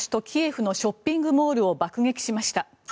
キエフのショッピングモールを爆撃しました。